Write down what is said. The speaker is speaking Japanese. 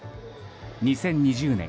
２０２０年